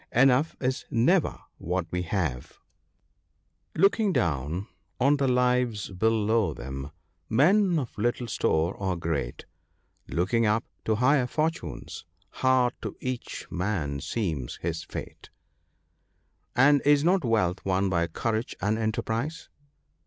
Enough is never what we have — 56 THE BOOK OF GOOD COUNSELS. Looking down on lives below them, men of little store are great ; Looking up to higher fortunes, hard to each man seems his fate. " And is not wealth won by courage and enterprise